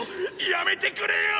やめてくれよ！